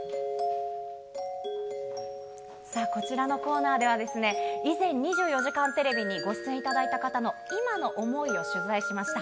さあ、こちらのコーナーではですね、以前、２４時間テレビにご出演いただいた方の、今の想いを取材しました。